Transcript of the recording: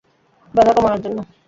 ব্যথা কমানোর জন্য।